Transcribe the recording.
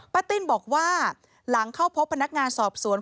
ติ้นบอกว่าหลังเข้าพบพนักงานสอบสวน